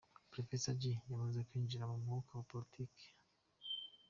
Professor Jay yamaze kwinjira mu mwuka wa politiki.